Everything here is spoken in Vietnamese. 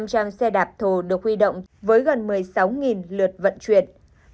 hơn ba năm trăm linh xe đạp thổ được huy động với gần một mươi sáu lượt vận chuyển